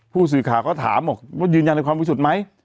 ผู้สือข่าวเขาถามยืนยันในความวิสุทธิ์ไหม